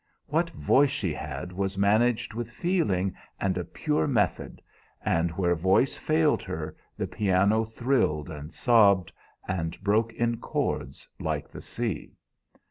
What voice she had was managed with feeling and a pure method, and where voice failed her the piano thrilled and sobbed, and broke in chords like the sea.